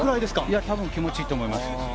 多分気持ちいいと思います。